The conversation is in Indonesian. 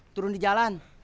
turun di jalan